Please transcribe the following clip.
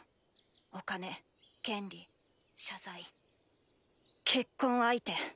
お金権利謝罪結婚相手。